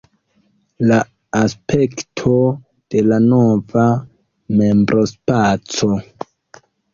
La aspekto de la nova membrospaco.